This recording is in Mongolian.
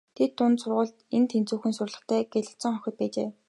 Тэд дунд сургуульдаа эн тэнцүүхэн сурлагатай гялалзсан охид байж.